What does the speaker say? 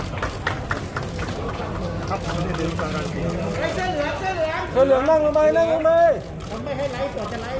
สวัสดีครับสวัสดีครับ